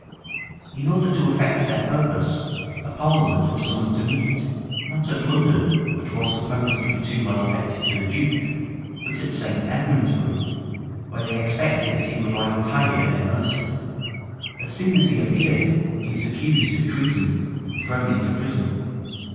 In order to effect their purpose, a parliament was summoned to meet, not at London, which was supposed to be too well affected to the duke, but at St. Edmondsbury, where they expected that he would lie entirely at their mercy. As soon as he appeared, he was accused of treason, and thrown into prison.